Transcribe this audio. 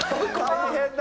大変だ！